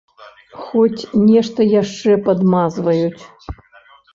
Хоць нешта яшчэ падмазваюць.